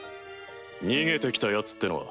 逃げてきたヤツってのは？